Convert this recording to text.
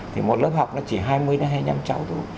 thì một lớp học nó chỉ hai mươi hai mươi năm cháu thôi